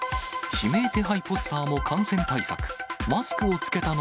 指名手配ポスターも感染対策。